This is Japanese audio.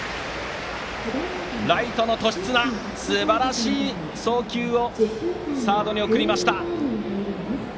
ライトの年綱すばらしい送球をサードに送りました。